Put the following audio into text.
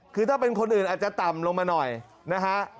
คือถ้าเป็นคนอื่นอาจจะต่ำลงมาหน่อยนะฮะ